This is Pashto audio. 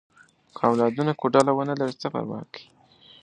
که اولادونه کوډله ونه لري، څه پروا کوي؟